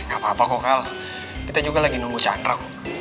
gapapa kok al kita juga lagi nunggu chandra